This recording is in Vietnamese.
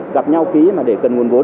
gặp nhau ký mà để cần nguồn vốn